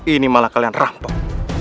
ini malah kalian rampok